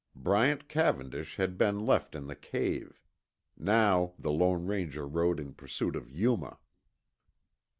Bryant Cavendish had been left in the cave. Now the Lone Ranger rode in pursuit of Yuma.